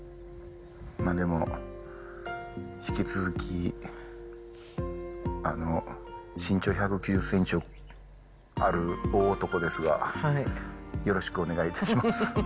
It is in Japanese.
でも引き続き、身長１９０センチある大男ですが、よろしくお願いいたします。